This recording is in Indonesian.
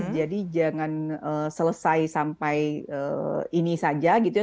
jadi jangan selesai sampai ini saja gitu ya